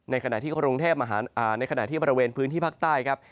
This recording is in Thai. ในขณะบริเวณพื้นที่ภาคใต้ครับ